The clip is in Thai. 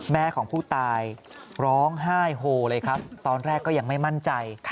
แม่ของผู้ตายร้องไห้โฮเลยครับตอนแรกก็ยังไม่มั่นใจ